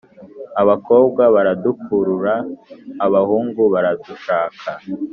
“abakobwa baradukurura, abahungu baradushaka.”